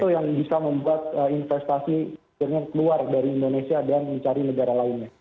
yang bisa membuat investasi akhirnya keluar dari indonesia dan mencari negara lainnya